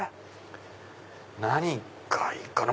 何がいいかな？